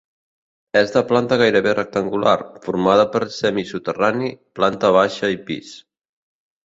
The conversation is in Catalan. És de planta gairebé rectangular, formada per semisoterrani, planta baixa i pis.